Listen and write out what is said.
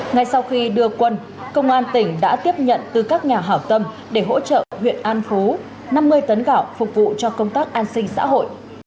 ngay sau khi đưa quân công an tỉnh đã tiếp nhận từ các nhà hảo tâm để hỗ trợ huyện an phú năm mươi tấn gạo phục vụ cho công tác an sinh xã hội